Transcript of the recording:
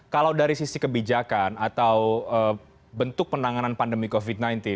kalau dari sisi kebijakan atau bentuk penanganan pandemi covid sembilan belas